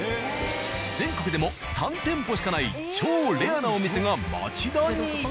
全国でも３店舗しかない超レアなお店が町田に。